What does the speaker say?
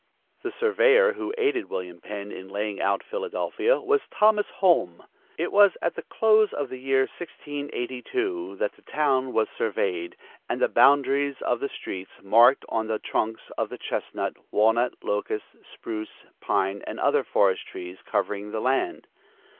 The surveyor who aided William Penn in laying out Philadelphia was Thomas Holme. It was at the close of the year 1682, that the town was surveyed, and the boundaries of the streets marked on the trunks of the chestnut, walnut, locust, spruce, pine and other forest trees covering the land.